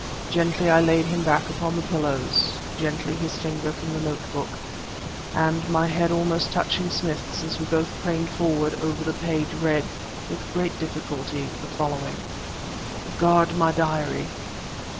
Gently I laid him back upon the pillows, gently his finger from the notebook, and, my head almost touching Smith's as we both craned forward over the page, read, with great difficulty, the following: "Guard my diary....